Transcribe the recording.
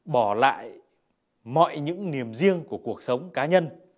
bỏ lại mọi những niềm riêng của cuộc sống cá nhân